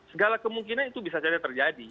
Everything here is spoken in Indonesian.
segala kemungkinan itu bisa saja terjadi